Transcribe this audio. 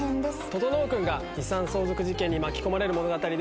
整君が遺産相続事件に巻き込まれる物語です。